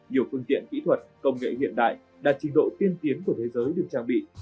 nhiều phương tiện kỹ thuật công nghệ hiện đại đạt trình độ tiên tiến của thế giới được trang bị